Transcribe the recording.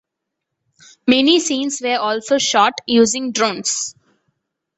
Many scenes were also shot using drones.